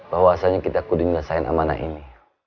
bahwa asalnya kita kudinjelasin amanah ini